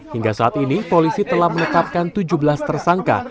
hingga saat ini polisi telah menetapkan tujuh belas tersangka